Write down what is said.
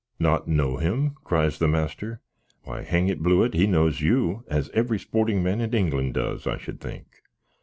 "Not know him!" cries master; "why, hang it, Blewitt! he knows you; as every sporting man in England does, I should think.